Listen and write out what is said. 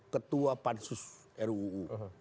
ketua pansus ruu